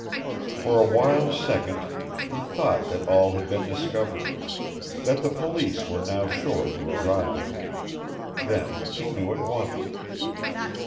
For a wild second he thought that all had been discovered, that the police were now sure to arrive. Then he knew at once.